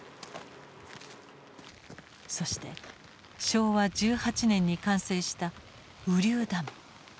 そして昭和１８年に完成した雨竜ダム。